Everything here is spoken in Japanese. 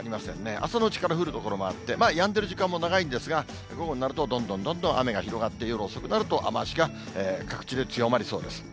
朝のうちから降る所もあって、やんでる時間も長いんですが、午後になると、どんどんどんどん雨が広がって、夜遅くなると、雨足が各地で強まりそうです。